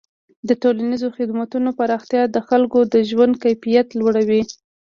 د ټولنیزو خدمتونو پراختیا د خلکو د ژوند کیفیت لوړوي.